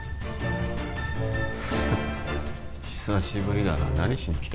フッ久しぶりだな何しにきた？